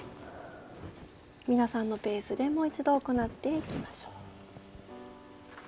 皆さんのペースでもう一度行っていきましょう。